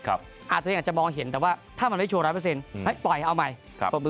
อาจจะมองเห็นแต่ว่าถ้ามันไม่โชว์๑๐๐ปล่อยเอาใหม่